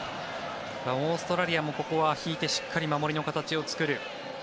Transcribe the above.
オーストラリアもここは引いてしっかり守りの形を作る。